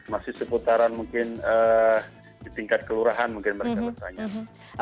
masih seputaran mungkin di tingkat kelurahan mungkin mereka bertanya